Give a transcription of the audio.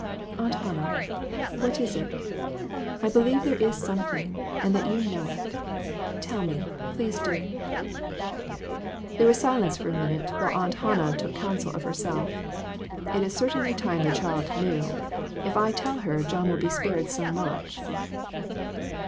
Aunt Hannah, what is it ? I believe there is something, and that you know it. Tell me, please do !" There was silence for a minute, while Aunt Hannah took counsel of herself "It is certainly time the child knew. If I tell her, John will be spared so much."